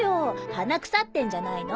鼻腐ってんじゃないの？